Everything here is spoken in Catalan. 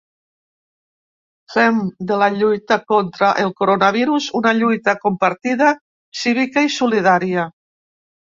Fem de la lluita contra el coronavirus una lluita compartida, cívica i solidària.